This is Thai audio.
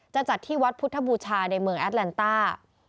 จะจัดที่วัดพุทธบูชาในเมืองแอดแลนต้า